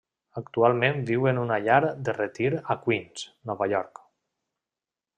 Actualment viu en una llar de retir a Queens, Nova York.